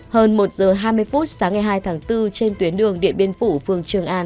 hơn một giờ hai mươi phút sáng ngày hai tháng bốn trên tuyến đường điện biên phủ phường trường an